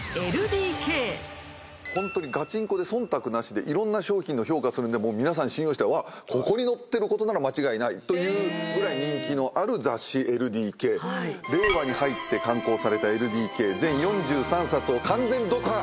ホントにガチンコで忖度なしでいろんな商品の評価するんで皆さん信用してあっここに載ってることなら間違いないというぐらい人気のある雑誌『ＬＤＫ』令和に入って刊行された『ＬＤＫ』全４３冊を完全読破。